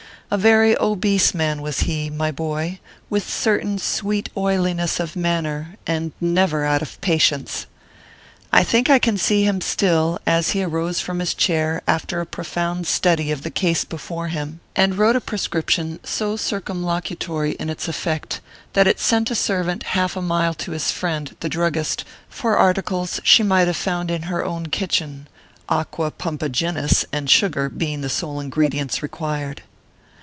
A very obese man was he, my boy, with certain sweet oiliness of man ner, and never out of patients. I think I can see him still, as he arose from his chair after a profound study of the case before him, and wrote a prescrip tion so circumlocutory in its effect, that it sent a servant half a mile to his friend, the druggist, for articles she might have found in her own kitchen, aqua pumpaginis and sugar being the sole ingredients required.